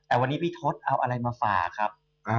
แต่วันนี้พี่ทศเอาอะไรมาฝากครับ